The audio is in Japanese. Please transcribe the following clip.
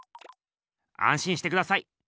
あんしんしてください。